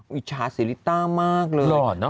ก็ชาวสีริต้ามากเลยร้อนเนอะ